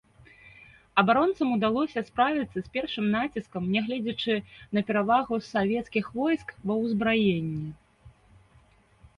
Абаронцам удалося справіцца з першым націскам, нягледзячы на перавагу савецкіх войск ва ўзбраенні.